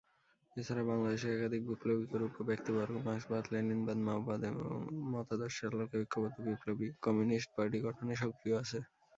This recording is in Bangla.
এছাড়া বাংলাদেশের একাধিক বিপ্লবী গ্রুপ ও ব্যক্তিবর্গ মার্ক্সবাদ-লেনিনবাদ-মাওবাদ এর মতাদর্শের আলোকে ঐক্যবদ্ধ বিপ্লবী কমিউনিস্ট পার্টি গঠনে সক্রিয় আছে।